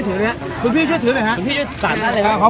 ขอช่วยคุณพี่อีกท่านหนึ่งครับ